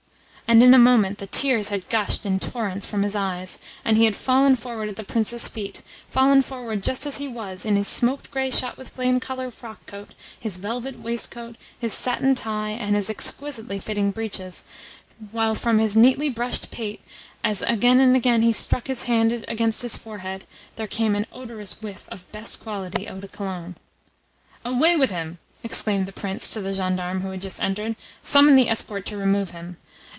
And in a moment the tears had gushed in torrents from his eyes, and he had fallen forward at the Prince's feet fallen forward just as he was, in his smoked grey shot with flame colour frockcoat, his velvet waistcoat, his satin tie, and his exquisitely fitting breeches, while from his neatly brushed pate, as again and again he struck his hand against his forehead, there came an odorous whiff of best quality eau de Cologne. "Away with him!" exclaimed the Prince to the gendarme who had just entered. "Summon the escort to remove him."